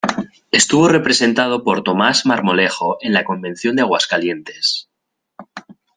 Estuvo representado por Tomás Marmolejo en la Convención de Aguascalientes.